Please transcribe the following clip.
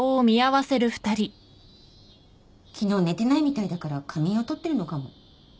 昨日寝てないみたいだから仮眠を取ってるのかも。